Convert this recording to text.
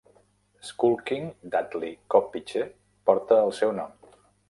Skulking Dudley Coppice porta el seu nom.